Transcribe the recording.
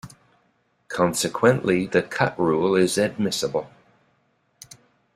Consequently, the cut rule is admissible.